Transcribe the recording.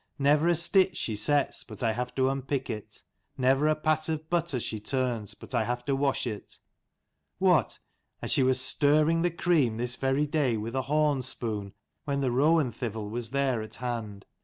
Never a stitch she sets, but I have to unpick it : never a pat of butter she turns, but I have to wash it : what, and she was stirring the cream this very day with a horn spoon when the rowan thival was there at hand.